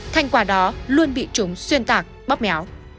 thành quả đó luôn bị chúng xuyên tạc bóp méo